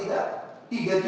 saya akan ditanya lagi